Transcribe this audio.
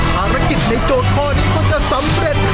ภารกิจในโจทย์ข้อนี้ก็จะสำเร็จ